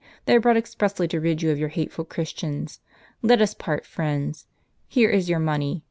They are brought expressly to rid you of your hateful Christians. Let us part friends. Here is your money.